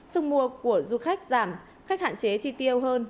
sức mua của du khách giảm khách hạn chế chi tiêu hơn